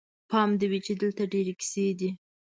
پام دې وي چې دلته ډېرې کیسې دي.